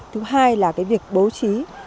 thứ hai là cái việc bố trí